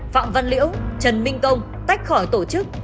phạm văn liễu trần minh công tách khỏi tổ chức